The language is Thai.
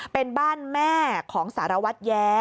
เป็นบ้านแม่ของสารวัตรแย้